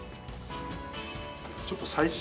ちょっと最新。